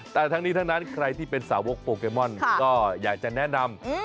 แต่ทั้งนี้ทั้งนั้นใครที่เป็นสาวกโปเกมอนก็อยากจะแนะนำ